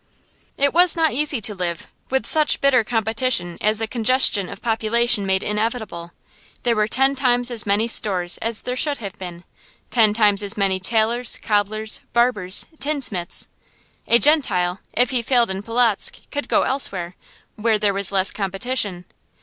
It was not easy to live, with such bitter competition as the congestion of population made inevitable. There were ten times as many stores as there should have been, ten times as many tailors, cobblers, barbers, tinsmiths. A Gentile, if he failed in Polotzk, could go elsewhere, where there was less competition.